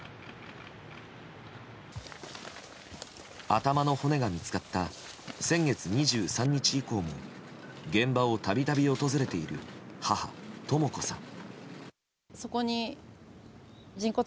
頭の骨が見つかった先月２３日以降も現場を度々訪れている母とも子さん。